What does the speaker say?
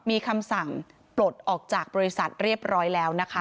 มีคำสั่งปลดออกจากบริษัทเรียบร้อยแล้วนะคะ